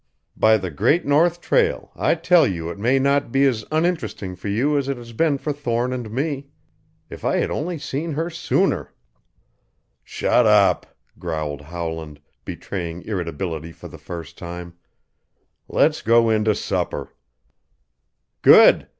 By the Great North Trail, I tell you it may not be as uninteresting for you as it has been for Thorne and me! If I had only seen her sooner " "Shut up!" growled Howland, betraying irritability for the first time. "Let's go in to supper." "Good.